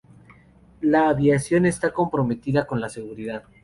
La aviación está comprometida con la seguridad.